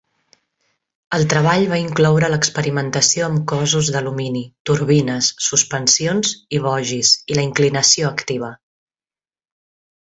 El treball va incloure l'experimentació amb cossos d'alumini, turbines, suspensions i bogis, i la inclinació activa.